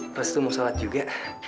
pasti mau sholat juga